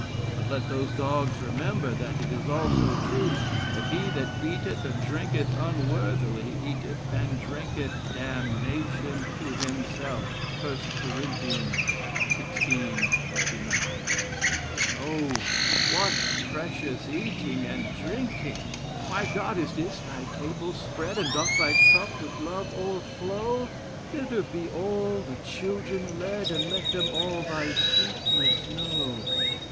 But let those dogs remember, that it is also truth, that 'He that eateth and drinketh unworthily, eateth and drinketh damnation to himself.' 1 Cor. xvi. 29. O what precious eating and drinking! "'My God! and is thy table spread; And doth thy cup with love o'erflow? Thither be all the children led, And let them all thy sweetness know.'